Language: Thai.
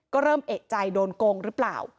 ก็เริ่มเอกใจโดนโกงหรือเปล่า